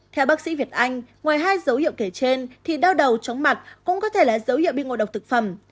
theo bác sĩ việt anh ngoài hai dấu hiệu kể trên thì đau đầu chóng mặt cũng có thể là dấu hiệu bị ngộ độc thực phẩm